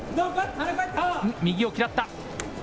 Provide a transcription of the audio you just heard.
右を嫌った。